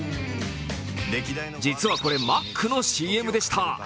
実はこれ、マックのＣＭでした。